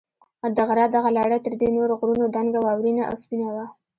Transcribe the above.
د غره دغه لړۍ تر دې نورو غرونو دنګه، واورینه او سپینه وه.